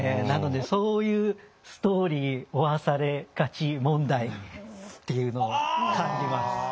なのでそういう「ストーリー負わされがち問題」っていうのを感じます。